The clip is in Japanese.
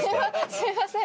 すいません。